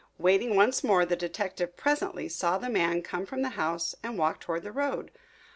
Waiting once more, the detective presently saw the man come from the house and walk toward the road.